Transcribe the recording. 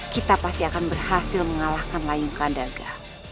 kita pasti akan berhasil mengalahkan layu kandaga